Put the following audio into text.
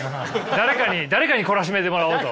誰かに誰かに懲らしめてもらおうと。